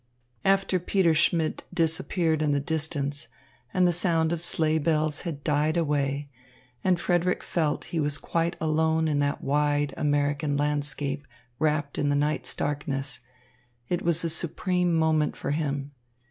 After Peter Schmidt disappeared in the distance and the sound of the sleigh bells had died away and Frederick felt he was quite alone in that wide American landscape wrapped in the night's darkness, it was a supreme moment for him.